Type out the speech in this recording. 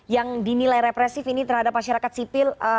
yang dinilai represif ini terhadap masyarakat sipil